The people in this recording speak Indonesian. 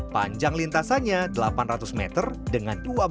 panjang lintasannya delapan ratus meter dengan dua belas rintangan